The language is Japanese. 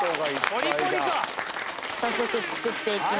早速作っていきます。